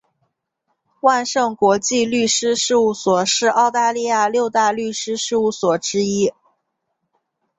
万盛国际律师事务所是澳大利亚六大律师事务所之一。